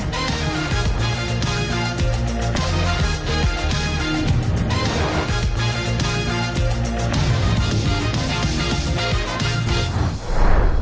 เพลง